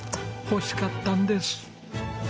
欲しかったんです。